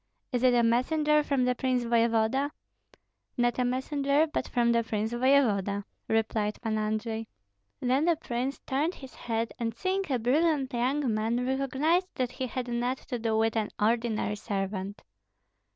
Is it a messenger from the prince voevoda?" "Not a messenger, but from the prince voevoda," replied Pan Andrei. Then the prince turned his head, and seeing a brilliant young man, recognized that he had not to do with an ordinary servant.